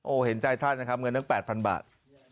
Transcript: เห็นใจท่านนะครับเงินตั้ง๘๐๐บาท